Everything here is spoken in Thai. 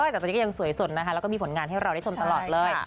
แต่ตอนนี้ก็ยังสวยสดนะคะแล้วก็มีผลงานให้เราได้ชมตลอดเลย